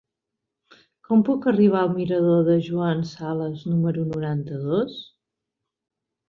Com puc arribar al mirador de Joan Sales número noranta-dos?